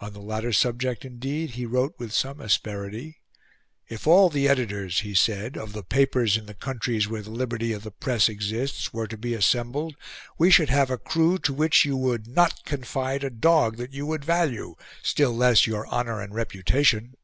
On the latter subject, indeed, he wrote with some asperity. "If all the editors," he said, "of the papers in the countries where the liberty of the press exists were to be assembled, we should have a crew to which you would NOT confide a dog that you would value, still less your honour and reputation."